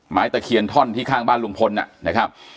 ตะเคียนท่อนที่ข้างบ้านลุงพลนะครับ